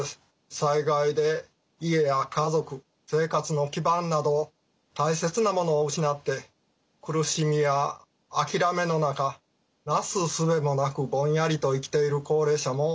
災害で家や家族生活の基盤など大切なものを失って苦しみや諦めの中なすすべもなくぼんやりと生きている高齢者も見てまいりました。